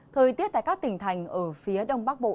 thời tiết tại các tỉnh thành ở phía đông bắc bộ